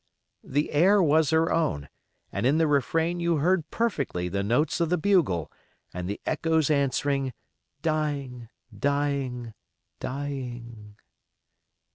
The air was her own, and in the refrain you heard perfectly the notes of the bugle, and the echoes answering, "Dying, dying, dying."